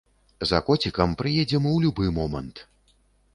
За коцікам прыедзем у любы момант!